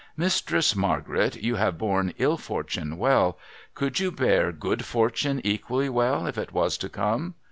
' Mistress Margaret, you have borne ill fortune well. Could you bear good fortune equally well, if it was to come